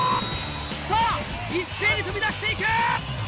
さぁ一斉に飛び出していく！